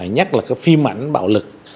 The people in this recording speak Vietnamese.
nhất là cái phim ảnh bạo lực